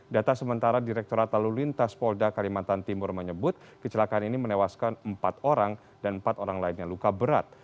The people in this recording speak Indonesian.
data sementara direkturat lalu lintas polda kalimantan timur menyebut kecelakaan ini menewaskan empat orang dan empat orang lainnya luka berat